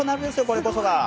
これこそが。